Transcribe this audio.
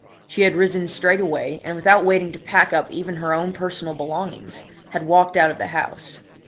She had risen straightway, and, without waiting to pack up even her own personal belongings, had walked out of the house.